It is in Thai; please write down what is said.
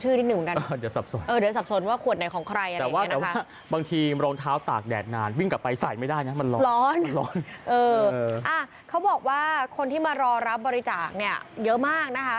เขาบอกว่าคนที่มารอรับบริจาคเนี่ยเยอะมากนะคะ